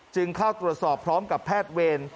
เข้าตรวจสอบพร้อมกับแพทย์เวร